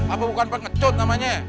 apa bukan pengecut namanya